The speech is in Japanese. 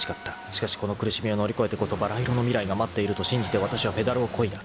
［しかしこの苦しみを乗り越えてこそばら色の未来が待っていると信じてわたしはペダルをこいだ］